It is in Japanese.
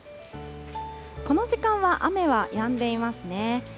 この時間は雨はやんでいますね。